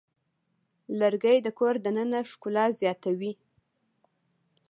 لرګی د کور دننه ښکلا زیاتوي.